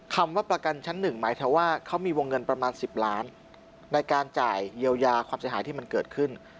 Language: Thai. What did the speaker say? คำว่าประกันชั้นหนึ่งหมายถึงว่าเขามีวงเงินประมาณ๑๐ล้านในการจ่ายเยียวยาความเสียหายที่มันเกิดขึ้น